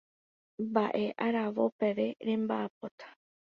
Mba'e aravo peve remba'apóta.